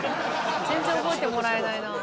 全然覚えてもらえないなぁ。